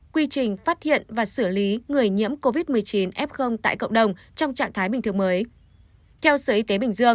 quy trình phát hiện và xử lý người nhiễm covid một mươi chín f tại cộng đồng trong trạng thái bình thường mới